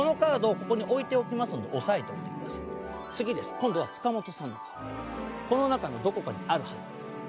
今度は塚本さんのカードこの中のどこかにあるはずです。